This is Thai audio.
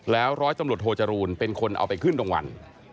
ร้อยตำรวจโทจรูลเป็นคนเอาไปขึ้นรางวัล